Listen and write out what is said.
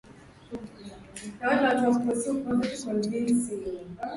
akaniambia ni pige zain kwenye website ya tume